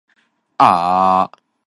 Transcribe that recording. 乃利用洛書軌跡